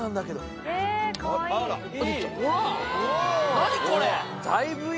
何これ？